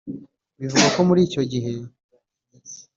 Bivugwa ko muri icyo gihe